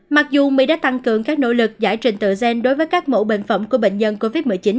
mặc dù mỹ đã tăng cường các nỗ lực giải trình tự gen đối với các mẫu bệnh phẩm của bệnh nhân covid một mươi chín